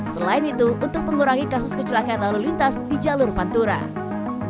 selain itu untuk mengurangi kasus kecelakaan lalu lintas di jalur pantura